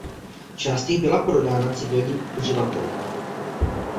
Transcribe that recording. Část jich byla prodána civilním uživatelům.